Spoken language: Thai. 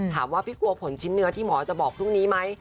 พี่กลัวผลชิ้นเนื้อที่หมอจะบอกพรุ่งนี้ไหม